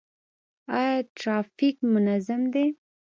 آیا ټرافیک منظم دی؟